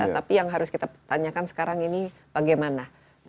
tapi yang harus kita tanyakan sekarang ini bagaimana